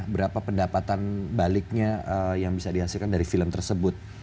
berapa pendapatan baliknya yang bisa dihasilkan dari film tersebut